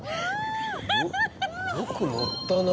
よく乗ったなあ。